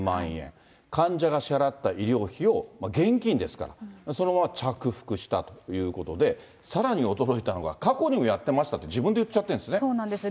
患者が支払った医療費を現金ですから、そのまま着服したということで、さらに驚いたのが過去にもやってましたって、自分で言っちゃってそうなんです。